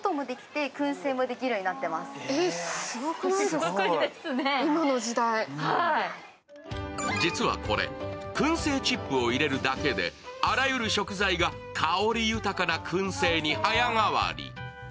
すごくないですか、今の時代実はこれ、くん製チップを入れるだけで、あらゆる食材が香り豊かなくん製に早変わり。